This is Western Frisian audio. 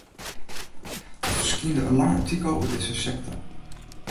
Der ferskynde in lang artikel oer dizze sekte.